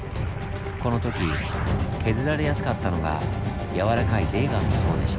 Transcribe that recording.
この時削られやすかったのが軟らかい泥岩の層でした。